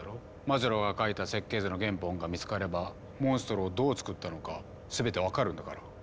マズローが描いた設計図の原本が見つかればモンストロをどうつくったのか全て分かるんだから。